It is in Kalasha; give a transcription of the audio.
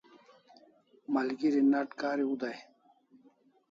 Malgeri nat kariu dai e?